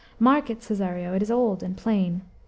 Mark it, Cesario, it is old and plain.